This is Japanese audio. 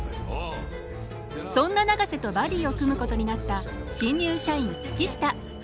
そんな永瀬とバディを組むことになった新入社員月下。